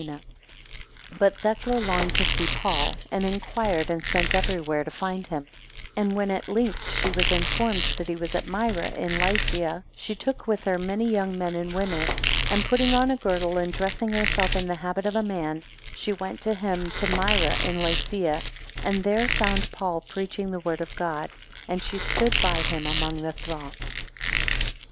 25 But Thecla longed to see Paul, and inquired and sent every where to find him; and when at length she was informed that he was at Myra, in Lycia, she took with her many young men and women; and putting on a girdle, and dressing herself in the habit of a man, she went to him to Myra in Lycia, and there found Paul preaching the word of God; and she stood by him among the throng.